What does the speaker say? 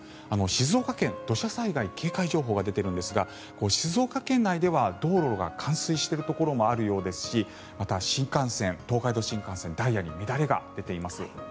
静岡県、土砂災害警戒情報が出ているんですが静岡県内では道路が冠水しているところもあるようですしまた東海道新幹線ダイヤに乱れが出ています。